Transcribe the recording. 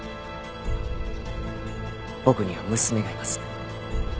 僕には娘がいます。